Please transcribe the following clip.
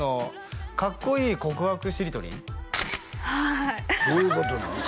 かっこいい告白しりとりはいどういうことなん？